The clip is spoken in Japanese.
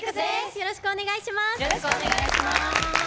よろしくお願いします。